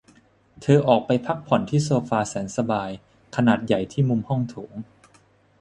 เธอออกไปพ้กผ่อนที่โซฟาแสนสบายขนาดใหญ่ที่มุมห้องโถง